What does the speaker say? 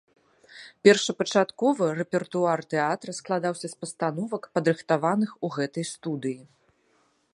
Першапачаткова рэпертуар тэатра складаўся з пастановак, падрыхтаваных у гэтай студыі.